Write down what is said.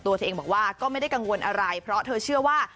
ตัวเองบอกว่าก็ไม่ได้กังวลอะไรเพราะเธอเชื่อว่า